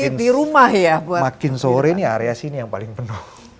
biasa sih kalau makin sore nih area sini yang paling penuh